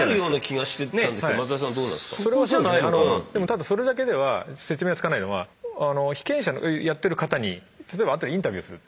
ただそれだけでは説明がつかないのは被験者のやってる方に例えばあとでインタビューする。